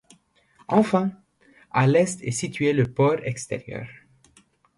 Enfin, à l'est est situé le Port Extérieur.